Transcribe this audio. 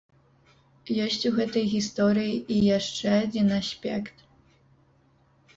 Ёсць у гэтай гісторыі і яшчэ адзін аспект.